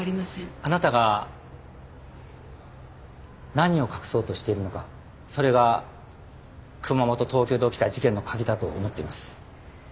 あなたが何を隠そうとしているのかそれが熊本東京で起きた事件の鍵だと思っています。